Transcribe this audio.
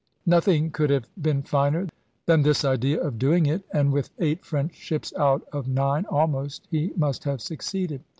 Nothing could have been finer than this idea of doing it, and with eight French ships out of nine, almost, he must have succeeded.